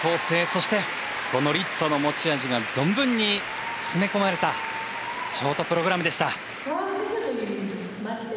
そして、このリッツォの持ち味が存分に詰め込まれたショートプログラムでした。